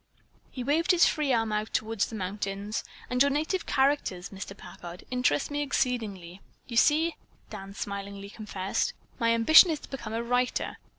He waved his free arm out toward the mountains. "And your native characters, Mr. Packard, interest me exceedingly. You see," Dan smilingly confessed, "my ambition is to become a writer.